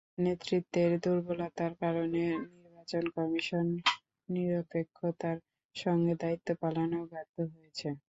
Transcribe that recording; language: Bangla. নেতৃত্বের দুর্বলতার কারণে নির্বাচন কমিশন নিরপেক্ষতার সঙ্গে দায়িত্ব পালনেও ব্যর্থ হয়েছে।